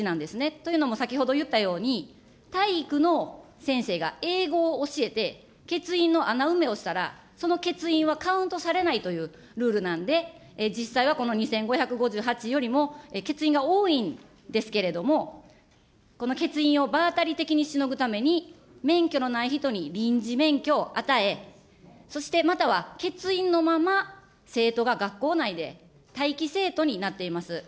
というのも先ほど言ったように、体育の先生が英語を教えて、欠員の穴埋めをしたら、その欠員はカウントされないというルールなんで、実際はこの２５５８よりも欠員が多いんですけれども、この欠員を場当たり的にしのぐために、免許のない人に臨時免許を与え、そして、または欠員のまま生徒が学校内で待機生徒になっています。